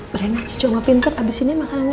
berenacom opinter abis ini makanannya